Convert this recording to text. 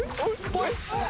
ぽい！